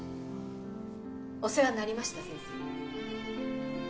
お世話になりました先生。